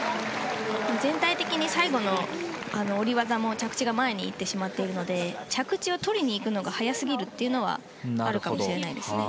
全体的に最後の下り技の着地が前に行ってしまっているので着地をとりにいくのが早すぎるというのはあるかもしれないですね。